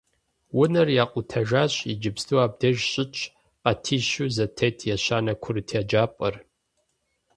Унэр якъутэжащ, иджыпсту абдеж щытщ къатищу зэтет ещанэ курыт еджапӏэр.